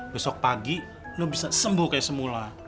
besok pagi lu bisa sembuh kayak semula